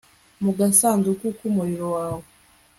Mu gasanduku kumuriro wawe